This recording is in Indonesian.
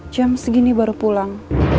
jam segini baru pulang